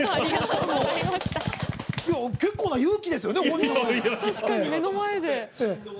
結構な勇気ですよね、本人の前で。